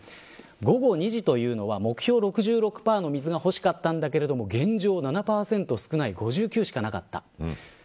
午後２時というのは目標６６％の水がほしかったけど現状７％少ない５９％しかなかった。